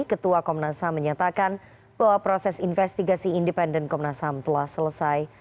ketua komnasam menyatakan bahwa proses investigasi independen komnasam telah selesai